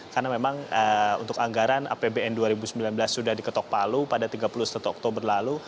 karena memang untuk anggaran apbn dua ribu sembilan belas sudah diketok palu pada tiga puluh satu oktober lalu